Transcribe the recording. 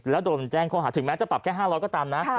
แล้วโดนแจ้งข้อหาถึงแม้จะปรับแค่๕๐๐ก็ตามนะ